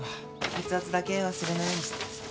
血圧だけ忘れないようにしてください。